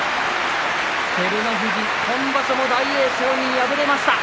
照ノ富士、今場所も大栄翔に敗れました。